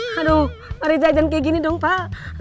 pak rija jangan kayak gini dong pak